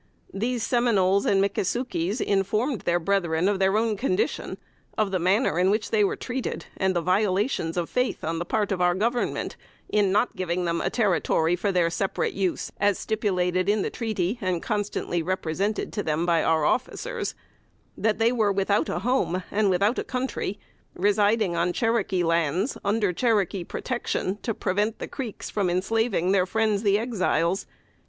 These Seminoles and Mickasukies informed their brethren of their own condition, of the manner in which they were treated, and the violations of faith on the part of our Government in not giving them a territory for their separate use, as stipulated in the treaty, and constantly represented to them by our officers; that they were without a home and without a country, residing on Cherokee lands, under Cherokee protection, to prevent the Creeks from enslaving their friends, the Exiles.